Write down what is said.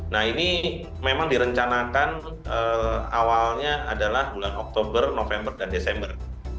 nah ini memang direncanakan awalnya adalah bulan oktober november dan desember